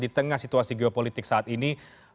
di tengah situasi geopolitik saat ini